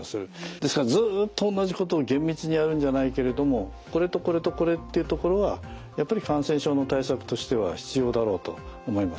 ですからずっとおんなじことを厳密にやるんじゃないけれどもこれとこれとこれっていうところはやっぱり感染症の対策としては必要だろうと思います。